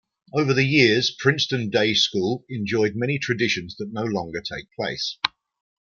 Over the years, Princeton Day School enjoyed many traditions that no longer take place.